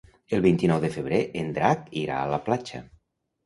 El vint-i-nou de febrer en Drac irà a la platja.